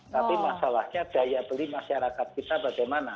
tapi masalahnya daya beli masyarakat kita bagaimana